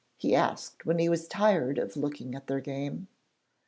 he asked when he was tired of looking at their game.